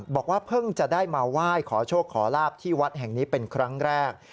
บอกว่าเพิ่งจะได้มาไหว้ขอโชคขอลาบที่วัดแห่งนี้เป็นครั้งแรก